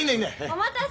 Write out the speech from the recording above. お待たせ。